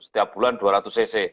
setiap bulan dua ratus cc